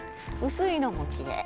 薄いのもきれい。